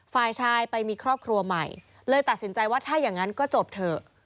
ฝ่ายชายไปมีครอบครัวใหม่เลยตัดสินใจว่าถ้าอย่างนั้นก็จบเถอะ